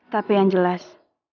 tapi yang jelas